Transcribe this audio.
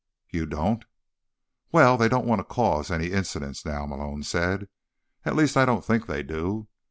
"You don't?" "Well, they don't want to cause any incidents now," Malone said. "At least, I don't think they do.